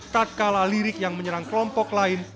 tak kalah lirik yang menyerang kelompok lain